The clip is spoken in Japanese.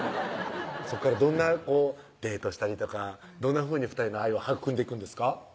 そこからどんなデートしたりとかどんなふうに２人の愛を育んでいくんですか？